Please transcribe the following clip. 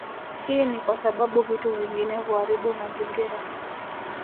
Hii ni kwa sababu vitu vingine huaribu mazingira